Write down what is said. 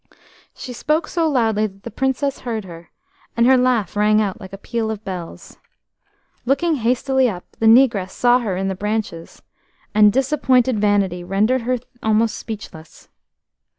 She spoke so loudly that the Princess heard her, and her laugh rang out like a peal of bells. Looking hastily up, the negress saw her in the branches, and disappointed vanity rendered her almost speechless....